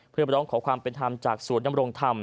เพื่อร้องขอความเป็นธรรมจากศูนย์ดำรงธรรม